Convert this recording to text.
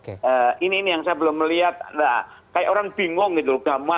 nah ini yang saya belum melihat kayak orang bingung gitu